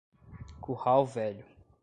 Curral Velho